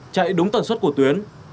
chạy đúng tần suất của tuyến